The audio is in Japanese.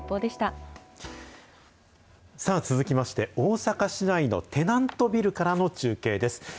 さあ、続きまして、大阪市内のテナントビルからの中継です。